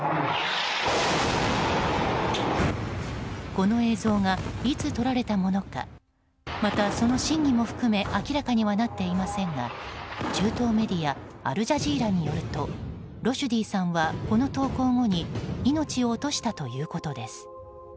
この映像がいつ撮られたものかまた、その真偽も含め明らかにはなっていませんが中東メディアアルジャジーラによるとロシュディさんはこの投稿後に命を落としたということです。